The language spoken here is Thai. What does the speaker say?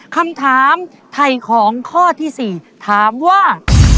คำถามไถ่ของข้อที่๔ถามว่า